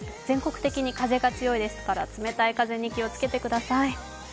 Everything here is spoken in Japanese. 全国的に風が強いですから冷たい風に気を付けてください。